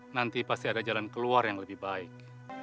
nanti pasti ada jalan keluar yang lebih baik